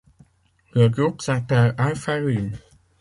Le groupe s'appelle Alfa Lum.